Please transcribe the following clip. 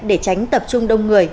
để tránh tập trung đối tượng